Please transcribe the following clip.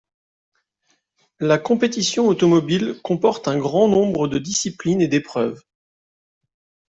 La compétition automobile comporte un grand nombre de disciplines et d'épreuves.